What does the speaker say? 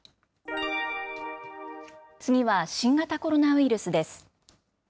次は新型コロナウイルスです。